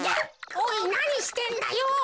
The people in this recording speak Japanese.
おいなにしてんだよ。